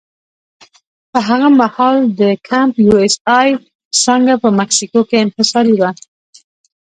په هغه مهال د کمپ یو اس اې څانګه په مکسیکو کې انحصاري وه.